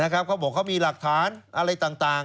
เขาบอกเขามีหลักฐานอะไรต่าง